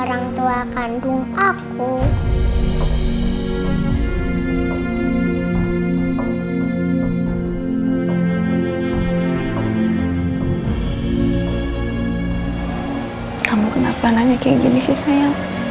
tunggu dulu aku mau bertanya